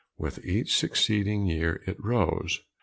With each succeeding year it rose.